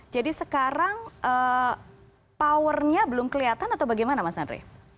jadi sekarang powernya belum kelihatan atau bagaimana mas andre